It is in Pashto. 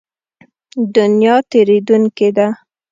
دنیا تېرېدونکې ده.